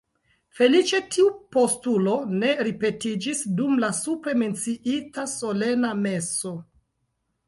Feliĉe tiu postulo ne ripetiĝis dum la supre menciita solena meso.